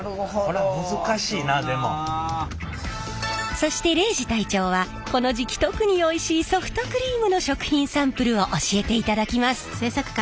そして礼二隊長はこの時期特においしいソフトクリームの食品サンプルを教えていただきます。